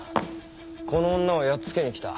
この女をやっつけに来た。